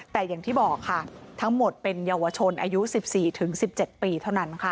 แต่อย่างที่บอกค่ะทั้งหมดเป็นเยาวชนอายุ๑๔ถึง๑๗ปีเท่านั้นค่ะ